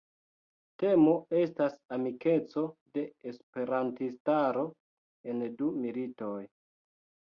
Temo estas amikeco de Esperantistaro en du militoj.